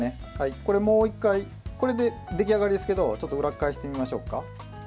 これ、もう１回これで出来上がりですけどちょっと裏返してみましょうか。